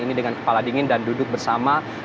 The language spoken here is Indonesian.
ini dengan kepala dingin dan duduk bersama